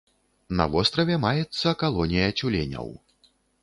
На востраве маецца калонія цюленяў.